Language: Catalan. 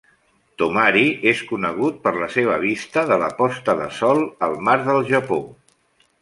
Tomari és conegut per la seva vista de la posta de sol al mar del Japó.